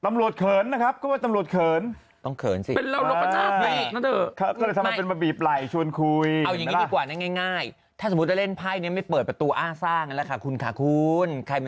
อาจจะคีกตอนโยนลูกเตาเฉยว่าแบบจะลงไหมอะไรอย่างนี้